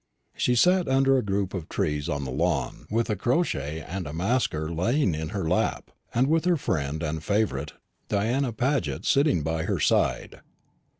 She sat under a group of trees on the lawn, with a crochet antimacassar lying in her lap, and with her friend and favourite, Diana Paget, sitting by her side.